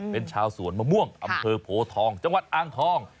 เป็นชาวสวนมะม่วงอำเภอโพทองจังหวัดอ่างทอง